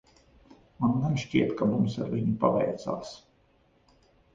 Man gan šķiet, ka mums ar viņu paveicās.